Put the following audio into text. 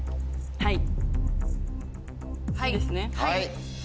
はい。